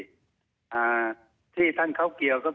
ภัยบูรณ์นิติตะวันภัยบูรณ์นิติตะวัน